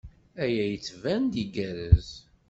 Aya yettban-d igerrez.